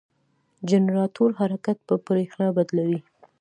جنراتور حرکت په برېښنا بدلوي.